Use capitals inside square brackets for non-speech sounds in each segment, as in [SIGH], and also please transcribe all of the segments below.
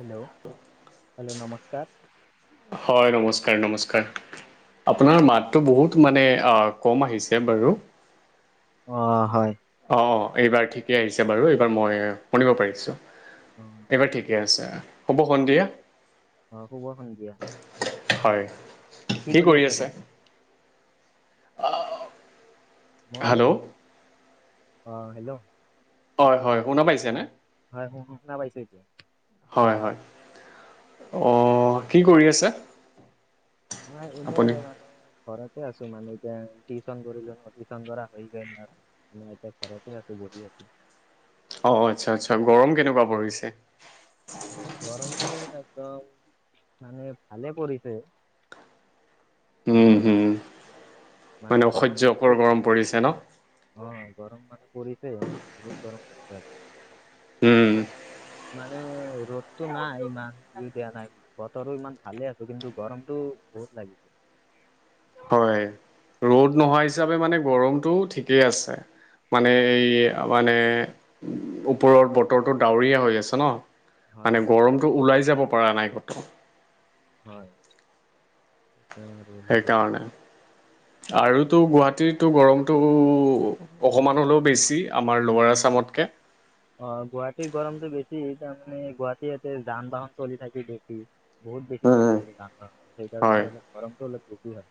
Hello hello নমস্কাৰ। হয় নমস্কাৰ নমস্কাৰ আপোনাৰ মাতটো বহুত মানে আঁহ কম আহিছে বাৰু অ' হয় অ' এইবাৰ ঠিকে আহিছে বাৰু এইবাৰ মই শুনিব পাৰিছো। অ এইবাৰ ঠিকে আছে শুভ সন্ধিয়া অ শুভ সন্ধিয়া হয় কি কৰি আছে আপুনি মই হেল্ল' অ' হেল্ল' হয় হয় শুনা পাইছেনে? হয় শুনা পাইছো হয় হয় অ' কি কৰি আছে? অ' এনে আপুনি মানে ঘৰত আছো মানে এতিয়া টিউচন কৰিলো টিউচন কৰা হৈ গ'ল আৰু মই এতিয়া ঘৰতে আছো বহি আছো। অ', আচ্ছা আচ্ছা গৰম কেনেকুৱা পৰিছে? অ' গৰমটো একদম মানে ভালে পৰিছে মানে উম হম মানে অসহ্যকৰ গৰম পৰিছে ন? অ গৰম মানে পৰিছে বহুত গৰম পৰিছে আজি। উম মান মানে ৰ'দটো নাই ইমান দিয়া নাই বতৰো ইমান ভালে আছে কিন্তু গৰমটো বহুত লাগিছে। হয় ৰ'দ নোহোৱা মানে এই মানে ওপৰৰ বতৰটো ডাৱৰীয়া হৈ আছে ন হয় মানে হয় গৰমটো ওলাই যাব পৰা নাই ক'তো হয় উম আৰু সেইকাৰণে আৰুতো গুৱাহাটীৰ টো গৰমটো অকমান হ'লেও বেছি আমাৰ লোৱাৰ আছামত কে অ গুৱাহাটীৰ গৰমতটো বেছি তাৰমানে গুৱাহাটী ইয়াতে যান বাহন চলি থাকে বেছি বহুত বেছি চলি থাকে যান বাহন হয় সেইকাৰণে অলপ গৰমটো অলপ বেছি হয়।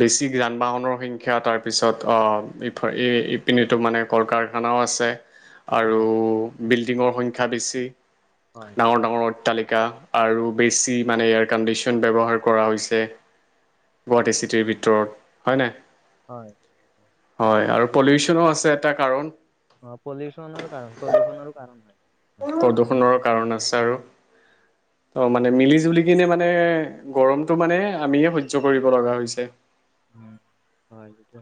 বেছি যান বাহনৰ সংখ্যা তাৰ পিছত অ ইপিনে টো মানে কল কাৰখানা ও আছে অ আৰু বিল্ডিঙৰ সংখ্যা বেছি হয় ডাঙৰ ডাঙৰ অট্টালিকা আৰু বেছি মানে ইয়াৰ কণ্ডিশ্যন ব্যৱহাৰ কৰা হৈছে প্লট এচি ভিতৰত হয় নে হয় হয় আৰু পলিউচনো আছে এটা কাৰণ অ পলিউশনৰ কাৰণ প্ৰদূষণৰো কাৰণ হয় প্ৰদূষণৰ কাৰণ আছে আৰু অ মানে মিলি জুলি কিনে মানে গৰমতটো মানে আমিয়ে সহ্্য কৰিব লগা হৈছে উম হয় সটো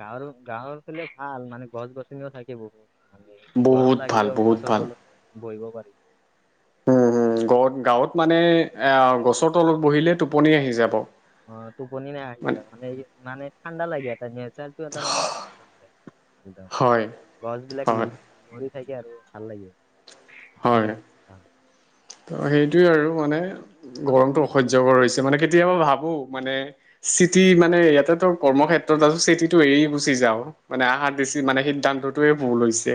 গাঁৱৰ গাঁৱৰ ফালে ভাল মানে গছ গছনিও থাকে বহুত মানে বহুত গৰম ভাল লাগিলেও বহুত ফচৰ ভাল তলত বহিব পাৰি উম হম গ গাঁৱত মানে এ গছৰ তলত বহিলে টোপনি আহি যাব অ টোপনি নাই আহি যায় মানে মানে ঠাণ্ডা লাগে এটা নোৰটো এটা মানে যায় একদম হয় গছ বিলাক হয় লৰি থাকে আৰু ভাল লাগে হয় ত সেইটোোৱে আৰু মানে গৰমতটো অসহ্য়কৰ হৈছে মানে কেতিয়াবা ভাবো মানে চিটি মানে ইয়াতে তো কৰ্ম ক্ষেত্ৰত আছ চিটটো এৰি গুচি যাও মানে আহাৰ বেছি মানে সিদ্ধান্তটোয়ে ভুল হৈছে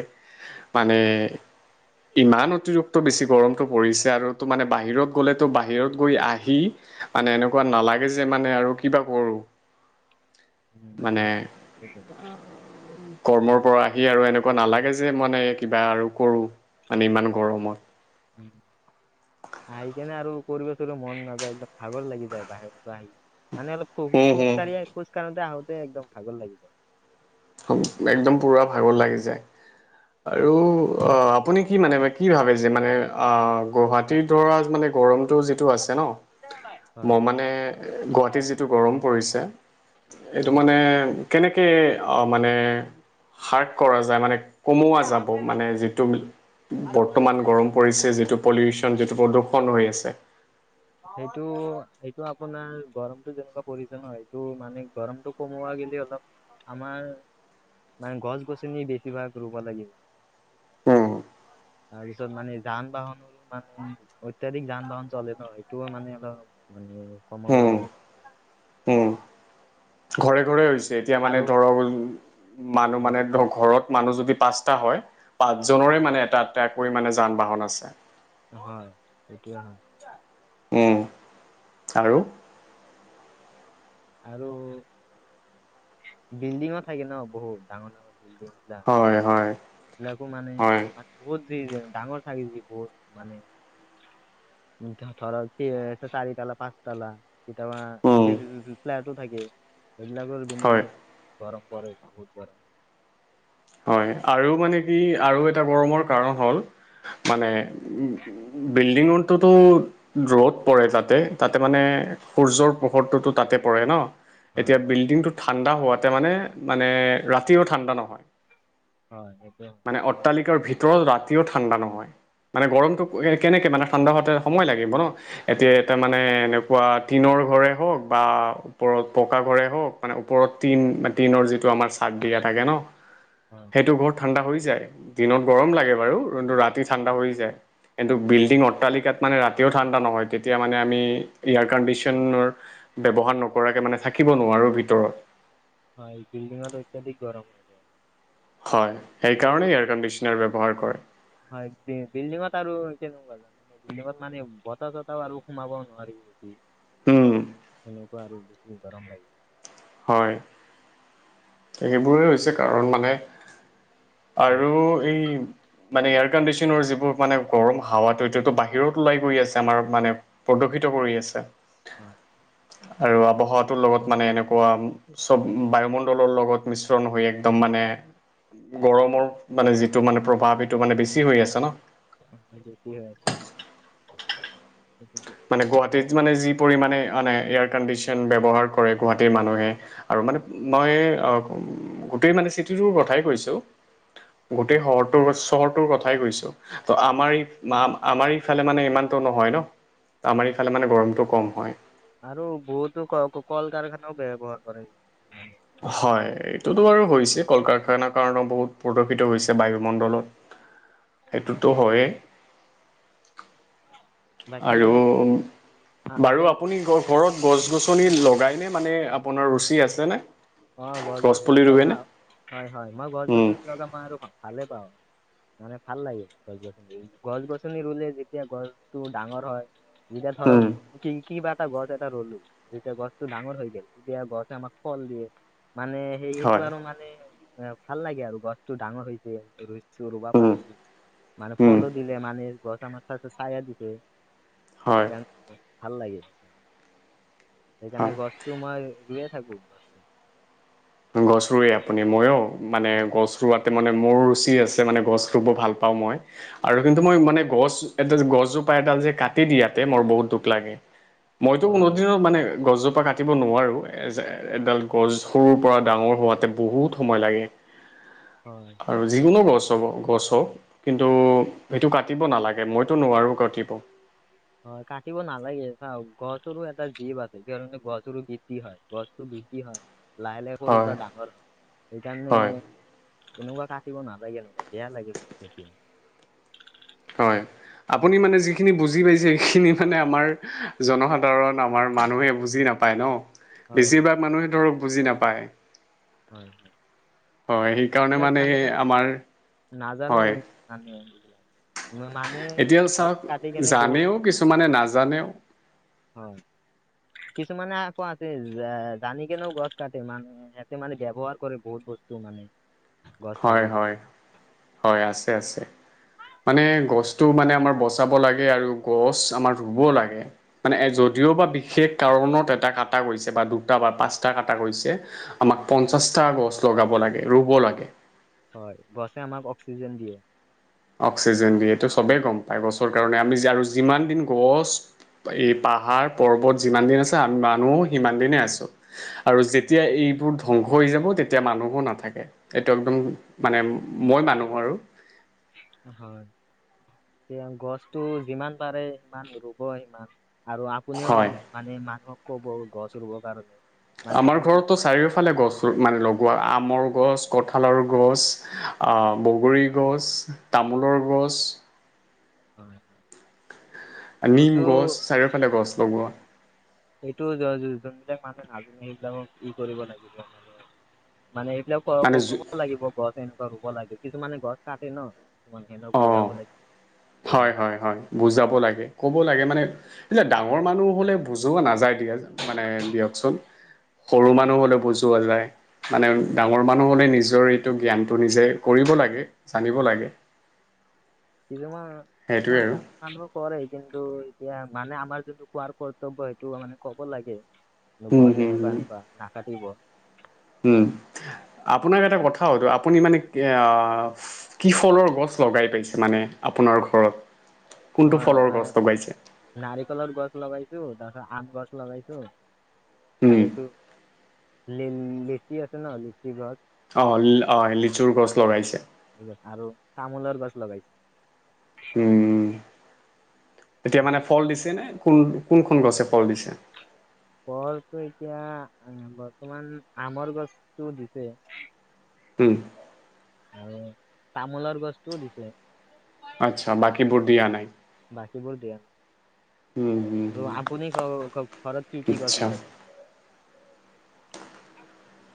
মানে ইমান অতিৰিক্ত বেছি গৰমটো পৰিছে আৰু তো মানে বাহিৰত গ'লেতো বাহিৰত গৈ আহি মানে এনেকুৱা নালাগে যে মানে আৰু কিবা কৰো উ হ সেইটো কৰ্মৰ পৰা আহি আৰু এনেকুৱা নালাগে যে মানে কিবা আৰু কৰো মানে ইমান গৰমত উম আহি কেনে আৰু কৰিব চ মন নাযায় একদম ভাগৰ লাগি যায় বাহিৰৰ পৰা আহি মানে অলপ খোজ হুম খোজ হুম কঢ়িয়ে খোজ কাঢ়োতে আহোতে একদম ভাগৰ লাগি যায় একদম পুৰা ভাগত লাগি যায় হয়। আৰু অ আপুনি কি মানে ব কি ভাবে যে মানে আহ গুৱাহাটীৰ ধৰা মানে গৰমটো যিটো আছে ন ম হয়। মানে গুৱাহাটীত যিটো গৰম পৰিছে এইটো হয়। মানে কেনেকৈ মানে হাৰ্ক কৰা যায় মানে কমোৱা যাব মানে যিটো বৰ্তমান গৰম পৰিছে যিটো পলিউচন যিটো প্ৰদূষণ হৈ আছে সেইটো এইটো আপোনাৰ গৰমতটো যেনেকুৱা পৰিছে ন এইটো মানে গৰমতটো কমোৱা গ অলপ আমাৰ মানে গছ গছনি বেছিভাগ ৰুব লাগিব উম তাৰপিছত মানে যান বাহনৰো মানে অত্যাধিক যান বাহন চলে নয় টো মানে অলপ মানে কমাব লাগে উম ঘৰে ঘৰে হৈছে এতিয়া মানে আৰু ধৰক মানুহ অ, মানে ধৰক ঘৰত মানুহ যদি পাঁচটা হয় পাঁচজনৰে মানে এটা আটাকৈ মানে যান বাহন আছে হয় সেইটোয়ে হয় উম আৰু আৰু বিল্ডিঙো থাকে ন বহুত ডাঙৰ ডাঙৰ বিল্ডিং বিলাক হয় হয় এইবিলাকো মানে হয় বহুত য [UNINTELLIGIBLE] ডাঙৰ থাকে য বহুত মানে থৰ [UNINTELLIGIBLE] চাৰি তালা পাঁচ তালা কেতিয়াবা উম ফ্ [UNINTELLIGIBLE] ফ্লেট' থাকে এইবিলাকৰ হয় বিনিয়ত গৰম বত [UNINTELLIGIBLE] হয় আৰু মানে কি আৰু এটা গৰমৰ কাৰণ হ'ল মানে উ বিল্ডিঙতোতো ৰ'দ পৰে তাতে তাতে মানে সূৰ্যৰ পোহৰটোতো তাতে পৰে ন হয় এতিয়া বিল্ডিংটো ঠাণ্ডা হোৱাতে মানে মানে ৰাতিও ঠাণ্ডা নহয় হয় সেইটোৱে হয় মানে অট্টালিকাৰ ভিতৰত ৰাতিও ঠাণ্ডা নহয় মানে গৰমটো কেনেকে মানে ঠাণ্ডা হতে সময় লাগিব ন এতিয়া এটা মানে এনেকুৱা টিনৰ ঘৰে হওক বা ওপৰত পকা ঘৰে হওক মানে ওপৰত টিন টিনৰ যিটো আমাৰ চাট দিয়া থাকে ন হয় সেইটো ঘৰত ঠাণ্ডা হৈ যায় দিনত গৰম লাগে বাৰু কিন্তু ৰাতি ঠাণ্ডা পৰি [UNINTELLIGIBLE] যায় কিন্তু বিল্ডিং অট্টালিকাত মানে ৰাতিও ঠাণ্ডা নহয় তেতিয়া মানে আমি এয়াৰ কাণ্ডিশ্যনৰ ব্যৱহাৰ নকৰাকে মানে থাকিব নোৱাৰোঁ ভিতৰত হয় বিল্ডিংটো অত্যন্তিক [UNINTELLIGIBLE] গৰম হয় হয় [INAUDIBLE] আৰু এয়াৰ কণ্ডিচনাৰ ব্যৱহাৰ কৰে হয় বি বিল্ডিঙত আৰু কেনেকুৱা বিল্ডিংত মানে বতাহ চতাহও আৰু সোমাবও নোৱাৰি নেকি উম এনেকুৱা আৰু বেছি গৰম লাগিব হয় এইবোৰে হৈছে কাৰণ মানে হয় আৰু এই মানে এয়াৰ কন্দিশনৰ যিবোৰ মানে গৰম হাৱাটো এইটো বাহিৰত ওলাই গৈ আছে আমাৰ মানে উপকৃত কৰি আছে হয় আৰু আৱহটোৰ লগত মানে এনেকুৱা চব বায়ুমণ্ড বায়ুমণ্ডলৰ লগত মিশ্ৰণ হৈ একদম মানে গৰমৰ মানে যিটো মানে প্ৰভাৱ সেইটো মানে বেছি হৈ আছে ন অ দে কি হৈ আছে সেইটোতো- মানে গুৱাহাটীত মানে যি পৰিমাণে আনে এয়াৰ কণ্ডিশ্যন ব্যৱহাৰ কৰে গুৱাহাটীৰ মানুহে আৰু মানে মই গোটেই মানে চিটিটোৰ কথাই কৈছো গোটেই হয় শৰটোৰ চহৰটোৰ কথাই কৈছো ত আমাৰ আমাৰ ইফালে মানে ইমানতটো নহয় ন আমাৰ ইফালে মানে গৰমটো কম হয় আৰু বহুতো ক কল কাৰখানাও ব্যৱহাৰ কৰে হয় এইটোতো আৰু হৈছে কল কাৰখানাৰ কাৰণেও বহুত প্ৰদূষিত হৈছে বায়ুমণ্ডলত হয় সেইটোতো হয়েই বাকী আৰু বাৰু আপুনি ক‌ওক‌ ঘৰত গছ গছনি লগাইনে মানে আপোনাৰ ৰুচি আছেনে অ গছ গছনি পুলি ৰুৱেনে? লগাওঁ হয় হয় মই গছ উম গছনি লগাম আৰু ভালে পাওঁ [UNINTELLIGIBLE] [INAUDIBLE] মানে ভাল লাগে গছ গছনি ৰুলে যেতিয়া গছটো ডাঙৰ হয় যেতিয়া ধৰক উম কিবা এটা গছ এটা ৰ'লো যেতিয়া গছ টো ডাঙৰ হৈ গেল তেতিয়া গছে আমাক ফল দিয়ে মানে সেই এইটো হয় আৰু মানে এ ভাল লাগে আৰু গছতটো ডাঙৰ হৈছে ৰুইছো ৰুবা উম পাৰিছোঁ। মানে উম ফলো দিলে মানে গছ আমাক চায়া দিছে, হয় সেইকাৰণে। ভাল লাগে হয় সেইকাৰণে, গছটো মই ৰুয়ে থাকো। গছ ৰুৱে আপুনি, মইও মানে হয় গছ ৰোৱাত মানে মোৰ ৰুচি আছে মানে গছ ৰুব ভাল পাওঁ মই, আৰু কিন্তু মই মানে গছ এ গছোজো গছজোপা এডাল যে কাটি দিয়াতে মোৰ বহুত দুখ লাগে। মইতো কোনো হয় দিনত মানে গছজোপা কাটিব নোৱাৰো। এ এডাল গছ সৰুৰ পৰা ডাঙৰ হোৱাতে বহুত সময় লাগে, হয়। আৰু যিকোনো গছ। গছ হওঁক কিন্তু সেইটো কাটিব নালাগে মইতো নোৱাৰোঁ কাতিব। হয় কাটিব নালাগে, চাওঁক গছৰো এটা জীপ আছে সেইকাৰণে গছৰো বৃদ্ধি হয়। গছতো বৃদ্ধি হয়। লাহ লাহে সৰুৰ হয় পৰা ডাঙৰ হয় সেইকাৰণে হয় তেনেকোৱা কাটিব নালাগে এনেকুৱা, বেয়া লাগে বহুত তেতিয়া। হয়। আপুনি মানে যিখিনি বুজি পাইছে, সেইখিনি মানে আমাৰ জনসাধাৰণ আমাৰ মানুহে বুজি নাপাই। নাপায় ন, হয় বুজ- বেছিভাগ মানুহে ধৰক বুজি নাপায়। হয়। হয় সেইকাৰণে এইবিলাক মানে মানুহে আমাৰ, নাজানে হয়। এই মানুহে এইবিলাক। ম- মানুহে এতিয়া গছ চাওঁক কাটি কেনে বহুত জানেও কিছুমানে নাজানেও। হয়। কিছুমানে আকৌ আছে জানি কেনেও গছ কাটে মানুহে। মানে ব্যৱহাৰ কৰে বহুত বস্তু মানে। গছ কাটি হয়, হয়। হয়, আছে আছে। মানে গছতটো মানে আমাৰ বচাব লাগে আৰু গছ আমাৰ ৰুব লাগে মানে, য যদিওবা বিশেষ কাৰণত এটা কটা গৈছে, বা দুটা বা পাঁচটা কাটা গেছে, আমাক পঞ্চাচটা চা গছ লগাব লাগে, ৰুব লাগে। হয়, গছে আমাক অক্সিজেন দিয়ে। অক্সিজেন দিয়ে। এইটো চবেই গম পায়, গছৰ কাৰণে আমি আৰু যিমান দিন গছ এই পাহাৰ পৰ্বত যিমান দিন আছে আমি মানুহো সিমান দিনে আছো। আৰু যেতিয়া এই ধংস হৈ যাব তেতিয়া মানুহ নাথাকে। এইটো একদম মানে, মই মানো আৰু। হয়। এ গছতটো যিমান পাৰে সিমান ৰুব সিমান। আৰু আপুনিও হয়। মানে মানুহক কব গছ ৰুবৰ কাৰণে। মানে আমাৰ আপুনি ঘৰতো চাৰিওফালে গছ, মানে লগোৱা আমৰ গছ আমাৰ গছ, কঁঠালৰ গছ, অহ বগৰি গছ, তামোলৰ গছ। হয়, হয়। নিম এইটো গছ, চাৰিওফালে গছ লগোৱা। এইটো য য যোনবিলাক মানুহ নাজানে সেইবিলাক কি কৰিব লাগিব মানে। মানে এইবিলাক মানে কব লাগিব গছ এনেকুৱা ৰুব লাগে। কিছুমানে গছ কাটে ন। কিছুমান সিহঁতক অঁ বুজাব লাগিব। হয়, তেনেকুৱাকে হয়, হয়। বুজাব লাগে। ক'ব লাগে মানে। এতিয়া ডাঙৰ মানুহ হলে, বুজোৱা নাযায় দিয়া মানে দিয়কচোন। সৰু মানুহ হ'লে বুজোৱা যায়। মানে ডাঙৰ মানুহ হ'লে নিজৰ এইটো জ্ঞানটো নিজে কৰিব লাগে। জানিব লাগে। কিছুমান সেইটোৱে কিছুমান আৰু ডাঙৰ মানুহে কৰে কিন্তু এতিয়া মানে আমাৰ যোনটো কোৱাৰ কৰ্তব্য, সেইটো মানে ক'ব লাগে। উম, গছ হম, হম, এনেকুৱা-এনেকুৱা নাকাটিব। উম' আপোনাক এটা কথা সুধো, আপুনি মানে কি অহ, কি ফলৰ গছ লগাই পাইছে, মানে আপোনাৰ ঘৰত। কোনটো মই ফলৰ গছ মানে, লগাইছে নাৰিকলৰ গছ লগাইছো, তাৰপাছত আম গছ লগাইছোঁ। উম আৰু এইটো লে লিচি আছে ন লিচি। গছ আহ আহ লিচুৰ গছ লগাইছে। তামোলাৰ গছ লগাইছো উম তেতিয়া মানে ফল দিছে নে কোন কোনখন গছে ফল দিছে। ফলটো এতিয়া বৰ্তমান আমৰ গছটো দিছে। উম তামোলৰ গছতটোও দিছে। আচ্ছা বাকী বোৰ দিয়া নাই। বাকী বোৰ দিয়া উম নাই। আৰু আপুনি ঘৰত কি কি গছ আচ্ছা লগাইছে। [INAUDIBLE]